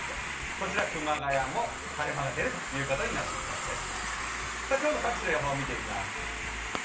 こちら、熊谷も晴れ間が出るということになってきそうです。